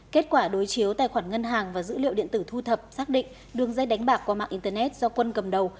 kết quả đối chiếu tài khoản ngân hàng và dữ liệu điện tử thu thập xác định đường dây đánh bạc qua mạng internet do quân cầm đầu